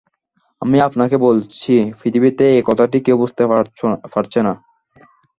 আমি আপনাকে বলছি, পৃথিবীতে এই কথাটি কেউ বুঝতে পারছে না।